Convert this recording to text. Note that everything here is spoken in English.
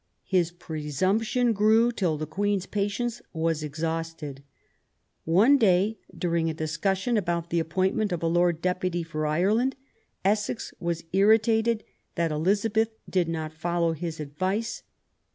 His .presumption grew till the Queen's patience was exhausted. One day, during a discussion about the appointment of a Lord Deputy for Ireland, Essex was irritated that Elizabeth did not follow his advice.